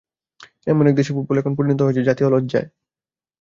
এমন এক দেশে ফুটবল এখন পরিণত হয়েছে জাতীয় লজ্জায়।